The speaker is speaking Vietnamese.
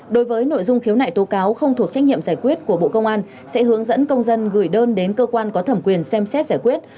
đối với nội dung khiếu nại tố cáo không thuộc trách nhiệm giải quyết của bộ công an sẽ hướng dẫn công dân gửi đơn đến cơ quan có thẩm quyền xem xét giải quyết